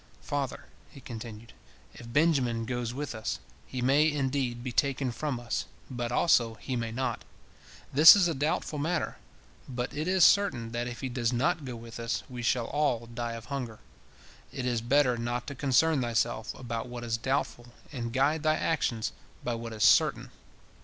Father," he continued, "if Benjamin goes with us, he may, indeed, be taken from us, but also he may not. This is a doubtful matter, but it is certain that if he does not go with us, we shall all die of hunger. It is better not to concern thyself about what is doubtful, and guide thy actions by what is certain.